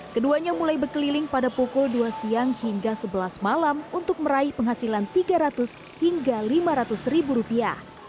keduanya mulai berkeliling pada pukul dua siang hingga sebelas malam untuk meraih penghasilan tiga ratus hingga lima ratus ribu rupiah